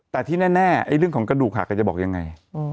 แต่ที่แน่เรื่องของกระดูกหักจะบอกยังไง